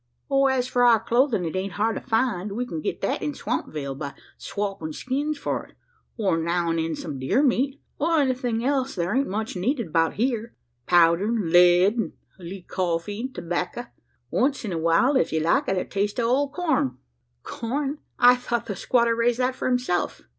"As for our clothin' it ain't hard to find. We can get that in Swampville by swopping skins for it, or now an' then some deer meat. O' anythin' else, thar ain't much needed 'bout here powder, an' lead, an' a leetle coffee, an' tobacco. Once in a while, if ye like it, a taste o' old corn." "Corn! I thought the squatter raised that for himself?"